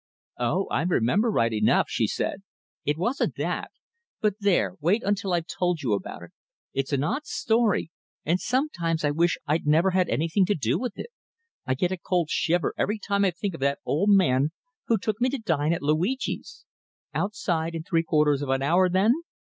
"Oh! I remember right enough," she said. "It wasn't that. But there, wait until I've told you about it. It's an odd story, and sometimes I wish I'd never had anything to do with it. I get a cold shiver every time I think of that old man who took me to dine at Luigi's. Outside in three quarters of an hour, then!"